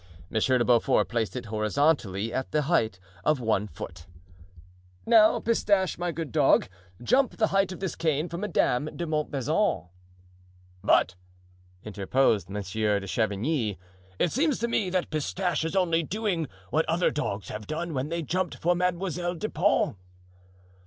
Monsieur de Beaufort placed it horizontally at the height of one foot. "Now, Pistache, my good dog, jump the height of this cane for Madame de Montbazon." "But," interposed Monsieur de Chavigny, "it seems to me that Pistache is only doing what other dogs have done when they jumped for Mademoiselle de Pons."